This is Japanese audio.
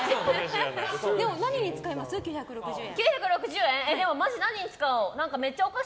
何に使います、９６０円。